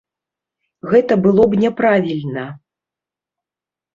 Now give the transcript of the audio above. Гэта было б няправільна.